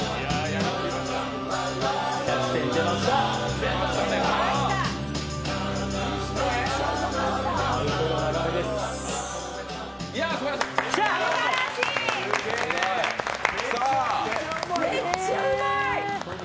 めっちゃうまい！